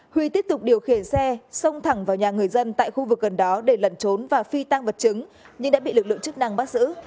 huy tiếp tục điều khiển xe xông thẳng vào nhà người dân tại khu vực gần đó để lẩn trốn và phi tăng vật chứng nhưng đã bị lực lượng chức năng bắt giữ